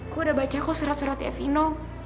gue udah baca kok surat surat ya vino